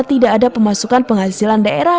tidak ada pemasukan penghasilan daerah